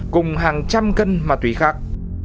cùng hàng trăm cân ma túy khác